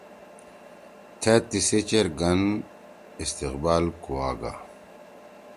تھید تیِسی چیر گھن استقبال کُواگا